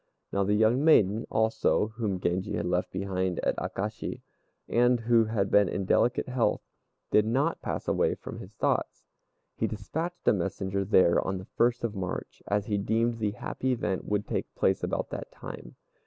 Now the young maiden also, whom Genji had left behind at Akashi, and who had been in delicate health, did not pass away from his thoughts. He despatched a messenger there on the first of March, as he deemed the happy event would take place about that time.